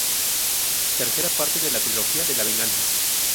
Tercera parte de "La Trilogía de la Venganza".